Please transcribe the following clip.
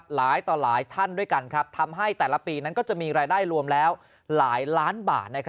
หลายต่อหลายท่านด้วยกันทำให้แต่ละปีนั้นก็จะมีรายได้รวมแล้วหลายล้านบาท